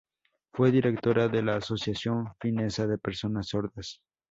Fue directora de la Asociación Finesa de Personas Sordas.